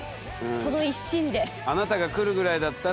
その一心で。